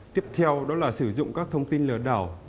tiếp theo đó là sử dụng các thông tin lừa đảo